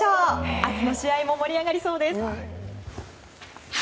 明日の試合も盛り上がりそうです。